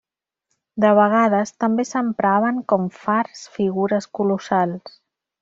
De vegades, també s'empraven com fars figures colossals.